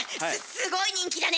すごい人気だね！